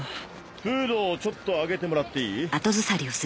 フードをちょっと上げてもらっていい？